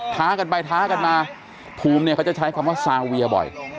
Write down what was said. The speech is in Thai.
ท้ากันไปท้ากันมาภูมิเนี่ยเขาจะใช้คำว่าซาเวียบ่อย